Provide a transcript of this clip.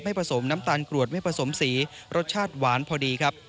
ผสมน้ำตาลกรวดไม่ผสมสีรสชาติหวานพอดีครับ